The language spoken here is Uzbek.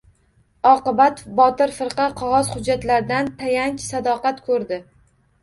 Oqibat — Botir firqa qog‘oz-hujjatlardan... tayanch-sadoqat ko‘rdi!